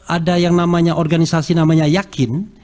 ada yang namanya organisasi namanya yakin